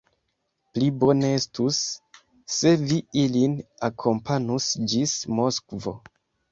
Pli bone estus, se vi ilin akompanus ĝis Moskvo.